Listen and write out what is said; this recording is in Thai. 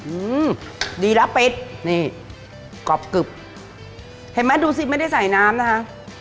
อื้มดีแล้วปิ๊ดนี่กรอบกรดดูสิไม่ได้ใส่น้ำนะคะ